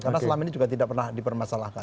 karena selama ini juga tidak pernah dipermasalahkan